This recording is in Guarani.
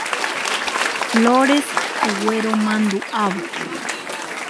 Flores gueromanduʼávo.